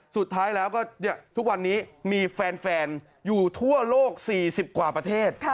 สุดท้ายแล้วก็ทุกวันนี้มีแฟนอยู่ทั่วโลก๔๐กว่าประเทศ